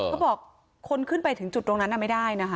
เขาบอกคนขึ้นไปถึงจุดตรงนั้นไม่ได้นะคะ